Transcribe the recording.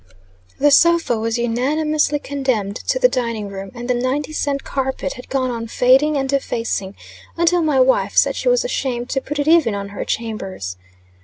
The sofa was unanimously condemned to the dining room, and the ninety cent carpet had gone on fading and defacing, until my wife said she was ashamed to put it even on her chambers.